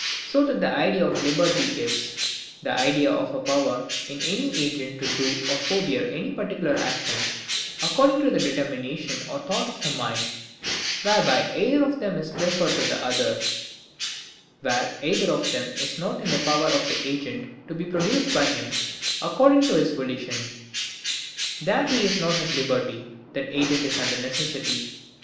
So that the idea of LIBERTY is, the idea of a power in any agent to do or forbear any particular action, according to the determination or thought of the mind, whereby either of them is preferred to the other: where either of them is not in the power of the agent to be produced by him according to his volition, there he is not at liberty; that agent is under NECESSITY.